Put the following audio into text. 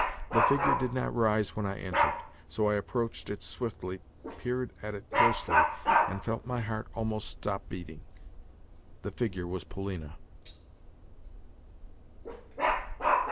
The figure did not rise when I entered, so I approached it swiftly, peered at it closely, and felt my heart almost stop beating. The figure was Polina!